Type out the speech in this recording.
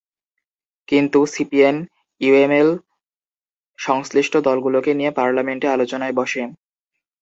কিন্তু সিপিএন-ইউএমএল সংশ্লিষ্ট দলগুলোকে নিয়ে পার্লামেন্টে আলোচনায় বসে।